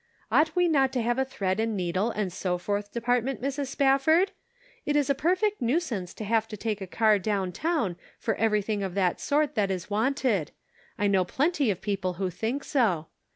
Ought we not to have a thread and needle and so forth department, Mrs. Spafford ? It is a perfect nuisance to have to take a car down town for everything 268 The Pocket Measure. of that sort that is wanted ; I know plenty of people who think so.